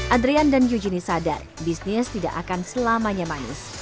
adrian dan eugenie sadar bisnis tidak akan selamanya manis